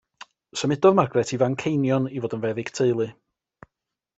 Symudodd Margaret i Fanceinion i fod yn feddyg teulu.